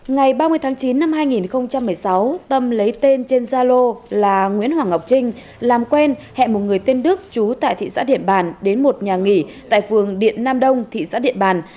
ngày ba mươi tháng chín năm hai nghìn một mươi sáu tâm lấy tên trên gia lô là nguyễn hoàng ngọc trinh làm quen hẹn một người tên đức chú tại thị xã điện bàn đến một nhà nghỉ tại phường điện nam đông thị xã điện bàn